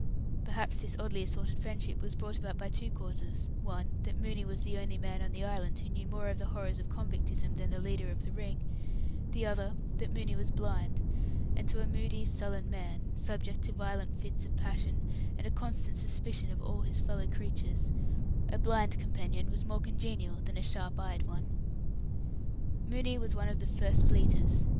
Perhaps this oddly assorted friendship was brought about by two causes one, that Mooney was the only man on the island who knew more of the horrors of convictism than the leader of the Ring; the other, that Mooney was blind, and, to a moody, sullen man, subject to violent fits of passion and a constant suspicion of all his fellow creatures, a blind companion was more congenial than a sharp eyed one. Mooney was one of the "First Fleeters".